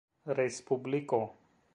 respubliko